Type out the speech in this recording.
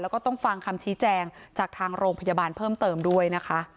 แล้วก็ต้องฟังคำชี้แจงจากทางโรงพยาบาลเพิ่มเติมด้วยนะคะ